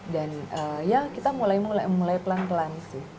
dan ya kita mulai pelan pelan sih